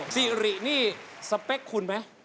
สิรินี่สเปคคุณไหม